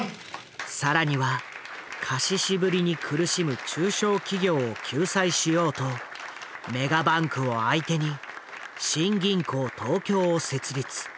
更には貸し渋りに苦しむ中小企業を救済しようとメガバンクを相手に新銀行東京を設立。